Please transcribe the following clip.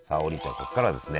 ここからはですね